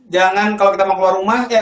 jangan kalau kita mau keluar rumah ya